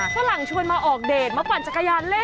ฝรั่งชวนมาออกเดทมาปั่นจักรยานเล่น